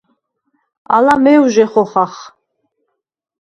ალა მევჟე ხოხახ.